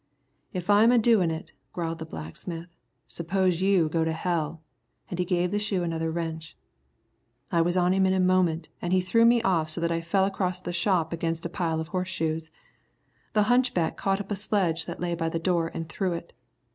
"If I'm a doin' it," growled the blacksmith, "suppose you go to hell." And he gave the shoe another wrench. I was on him in a moment, and he threw me off so that I fell across the shop against a pile of horseshoes. The hunchback caught up a sledge that lay by the door and threw it.